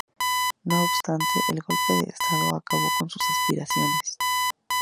No obstante, el golpe de Estado acabó con sus aspiraciones.